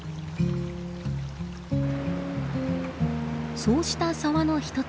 そうした沢の１つ。